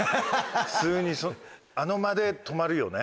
普通にあの間で止まるよね？